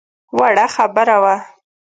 وړه خبره وه.